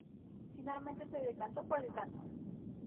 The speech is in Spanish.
Finalmente se decantó por el canto.